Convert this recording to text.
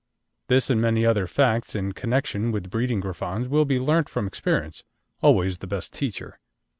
This and many other facts in connection with breeding Griffons will be learnt from experience, always the best teacher.